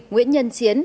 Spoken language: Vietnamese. nguyễn nhân chiến